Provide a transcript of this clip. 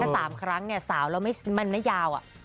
๓ครั้งเนี่ยสาวแล้วมันไม่ยาว